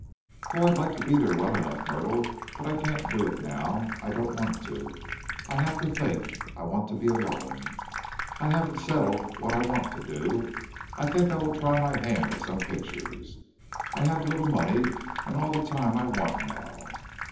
"Oh, I'd like to be there well enough, Myrtle, but I can't do it now. I don't want to. I have to think. I want to be alone. I haven't settled what I want to do. I think I will try my hand at some pictures. I have a little money and all the time I want now.